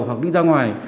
hoặc đi ra ngoài